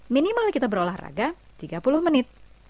minimal kita berolahraga tiga puluh menit